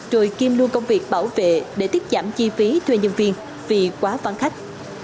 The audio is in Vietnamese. rồi kiêm luôn công việc bảo vệ để tiết giảm chi phí thuê nhân viên vì quá khách